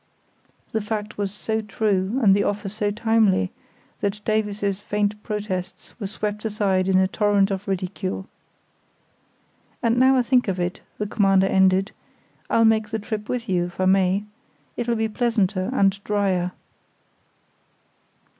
The fact was so true, and the offer so timely, that Davies's faint protests were swept aside in a torrent of ridicule. "And now I think of it," the Commander ended, "I'll make the trip with you, if I may. It'll be pleasanter and drier."